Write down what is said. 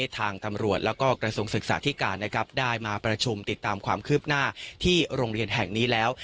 ทางตำรวจแล้วก็กระทรวงศึกษาธิการนะครับได้มาประชุมติดตามความคืบหน้าที่โรงเรียนแห่งนี้แล้ว